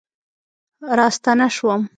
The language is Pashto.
راستنه شوم